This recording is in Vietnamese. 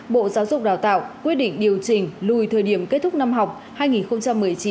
bộ giáo dục đào tạo quyết định điều chỉnh lùi thời điểm kết thúc năm học hai nghìn một mươi chín hai nghìn một mươi chín